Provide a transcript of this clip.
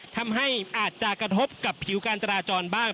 ทำให้อาจจะกระทบกับผิวการจราจรบ้าง